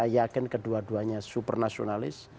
yakin kedua duanya super nasionalis